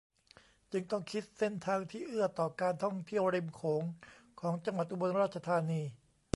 จึงต้องคิดเส้นทางที่เอื้อต่อการท่องเที่ยวริมโขงของจังหวัดอุบลราชธานี